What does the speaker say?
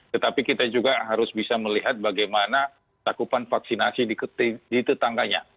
tetapi kita juga harus bisa melihat bagaimana cakupan vaksinasi di tetangganya